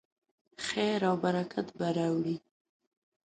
خیر او برکت به راوړي.